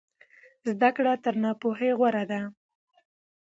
زده کړه تر ناپوهۍ غوره ده.